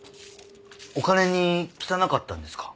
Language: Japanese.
お金に汚かったんですか？